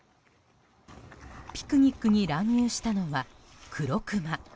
ピクニックに乱入したのはクロクマ。